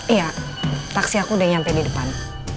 iya taksi aku udah nyampe di depan